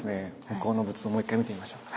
向こうの仏像をもう一回見てみましょう。